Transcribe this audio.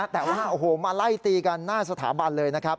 แต่ว่าโอ้โหมาไล่ตีกันหน้าสถาบันเลยนะครับ